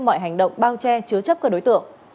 mọi hành động bao che chứa chấp các đối tượng